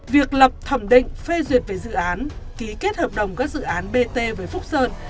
việc lập thẩm định phê duyệt về dự án ký kết hợp đồng các dự án bt với phúc sơn